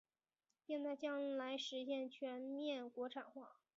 并在将来实现全面国产化。